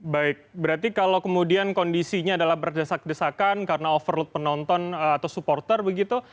baik berarti kalau kemudian kondisinya adalah berdesak desakan karena overload penonton atau supporter begitu